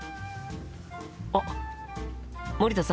あっ森田さん。